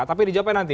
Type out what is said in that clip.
tapi dijawabkan nanti